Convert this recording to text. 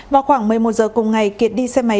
vào khoảng một mươi một giờ cùng ngày kiệt đi xe máy